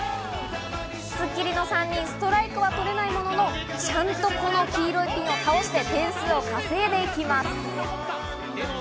『スッキリ』の３人、ストライクは取れないものの、ちゃんとこの黄色いピンを倒して、点数を稼いでいきます。